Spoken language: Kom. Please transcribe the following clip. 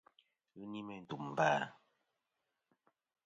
Ghɨ ni meyn tùm vâ.